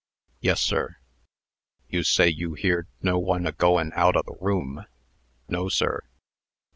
"Yes, sir." "You say you heerd no one a goin' out o' the room?" "No, sir."